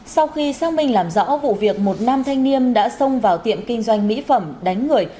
sau khi xác minh làm rõ vụ việc một nam thanh niên đã xông vào tiệm kinh doanh mỹ phẩm đánh người